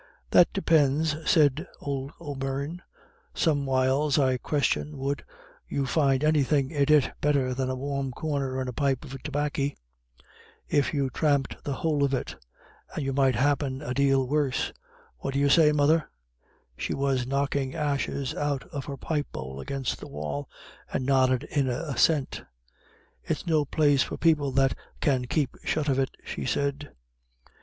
"That depinds," said old O'Beirne. "Somewhiles I question wud you find anythin' in it better than a warm corner and a pipe of 'baccy, if you thramped the whole of it. And you might happen on a dale worse. What do you say, mother?" She was knocking ashes out of her pipe bowl against the wall, and nodded in assent. "It's no place for people that can keep shut of it," she said.